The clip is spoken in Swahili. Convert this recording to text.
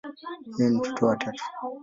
Yeye ni mtoto wa tatu.